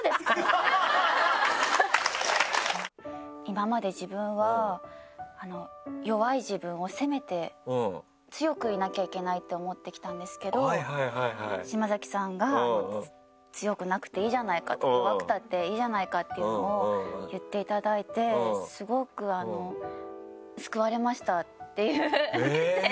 「今まで自分は弱い自分を責めて強くいなきゃいけないって思ってきたんですけど島崎さんが強くなくていいじゃないか弱くたっていいじゃないかっていうのを言っていただいてスゴく救われました」っていうメッセージが。